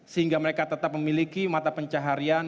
sehingga mereka tetap memiliki mata pencaharian